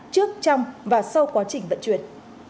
trước trong và sau quá trình vận chuyển